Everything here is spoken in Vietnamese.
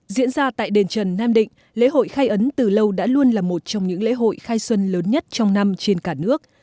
diễn ra tại đền trần nam định lễ hội khai ấn từ lâu đã luôn là một trong những lễ hội khai xuân lớn nhất trong năm trên cả nước